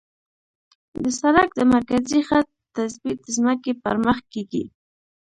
د سړک د مرکزي خط تثبیت د ځمکې پر مخ کیږي